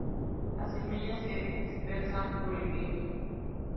Las semillas se dispersan por el viento.